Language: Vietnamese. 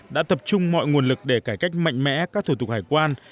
đã tập trung mọi nguồn lực để cải cách mạnh mẽ các thủ tục hải quan